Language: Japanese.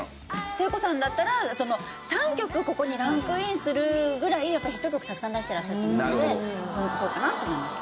聖子さんだったら３曲ここにランクインするぐらいヒット曲をたくさん出してらっしゃったのでそうかな？と思いました。